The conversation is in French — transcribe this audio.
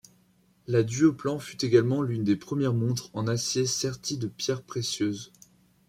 La Duoplan fut également l'une des premières montres en acier serties de pierres précieuses.